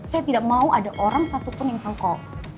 saya tidak mau orang satu pun yang tau kok